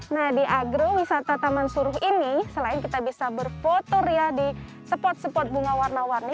nah di agrowisata taman suruh ini selain kita bisa berfoto di spot spot bunga warna warni